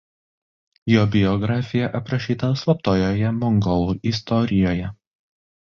Jo biografija aprašyta Slaptojoje mongolų istorijoje.